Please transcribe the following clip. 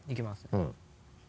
うん。